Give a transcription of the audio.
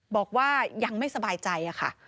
บอกว่ายังไม่สบายใจค่ะ